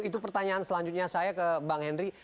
itu pertanyaan selanjutnya saya ke bang henry